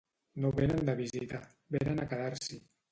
No vénen de visita, vénen a quedar-s'hi.